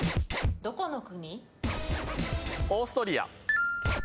どこの国？